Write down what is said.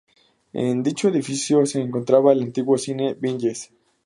En dicho edificio se encontraba el antiguo cine Vinyes.